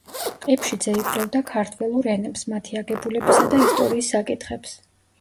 ყიფშიძე იკვლევდა ქართველურ ენებს, მათი აგებულებისა და ისტორიის საკითხებს.